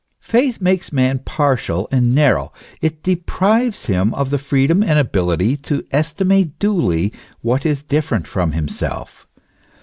Faith makes man partial and narrow ; it deprives him of the freedom and ability to esti mate duly what is different from himself.